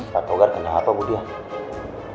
pak togar kenapa budiak